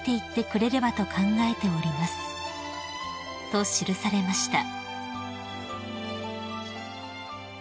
［と記されました］